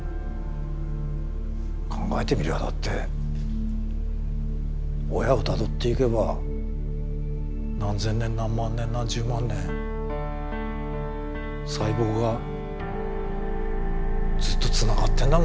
考えてみりゃだって親をたどっていけば何千年何万年何十万年細胞がずっとつながってんだもんね。